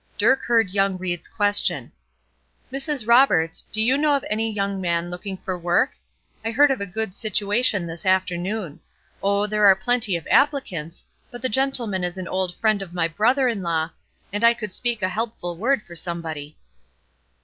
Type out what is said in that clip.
Dirk heard young Ried's question: "Mrs. Roberts, do you know of any young man looking for work? I heard of a good situation this afternoon. Oh, there are plenty of applicants, but the gentleman is an old friend of my brother in law, and I could speak a helpful word for somebody."